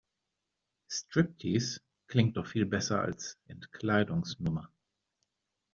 Striptease klingt doch viel besser als Entkleidungsnummer.